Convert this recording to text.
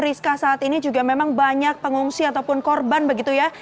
rizka saat ini juga memang banyak pengungsi ataupun korban begitu ya